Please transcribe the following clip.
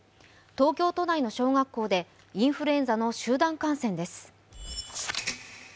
東京都内の小学校でインフルエンザの集団感染です。